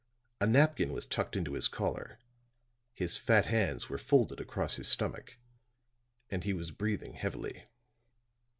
A napkin was tucked in his collar, his fat hands were folded across his stomach, and he was breathing heavily.